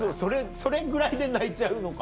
それぐらいで泣いちゃうのか。